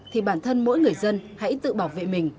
thì bản thân mỗi người dân hãy tự bảo vệ mình